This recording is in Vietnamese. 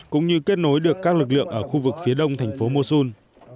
cũng như kết nối được các lực lượng ở khu vực phía đông thành phố mosun